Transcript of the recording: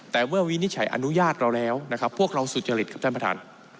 แต่เมื่อวินิจฉัยอนุญาตเราแล้วนะครับพวกเราสุจริตครับท่านประธาน